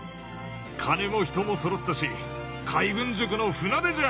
金も人もそろったし海軍塾の船出じゃ！